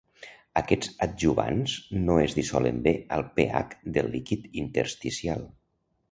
Aquests adjuvants no es dissolen bé al pH del líquid intersticial.